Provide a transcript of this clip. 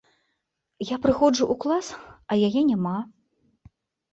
Я прыходжу ў клас, а яе няма.